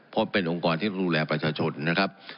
เพราะเป็นองค์กรที่ต้องดูแลประชาชนนะครับ